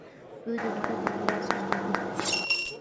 دوی د نړۍ په میراث کې ثبت دي.